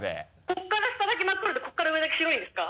ここから下だけ真っ黒でここから上だけ白いんですか？